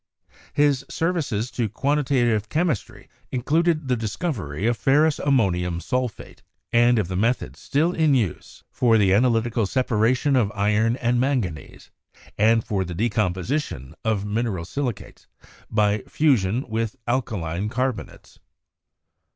His services to quantitative chemistry included the discovery of ferrous ammonium sulphate, and of the methods still in use for 122 CHEMISTRY the analytical separation of iron and manganese, and for the decomposition of mineral silicates by fusion with al kaline carbonates.